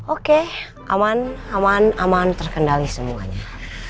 oke aman aman aman terkendali semuanya